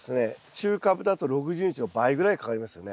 中カブだと６０日の倍ぐらいかかりますよね。